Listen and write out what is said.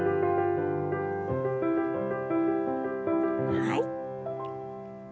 はい。